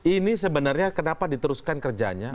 ini sebenarnya kenapa diteruskan kerjanya